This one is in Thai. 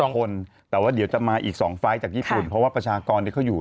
คนแต่ว่าเดี๋ยวจะมาอีก๒ไฟล์จากญี่ปุ่นเพราะว่าประชากรที่เขาอยู่